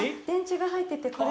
電池が入ってて。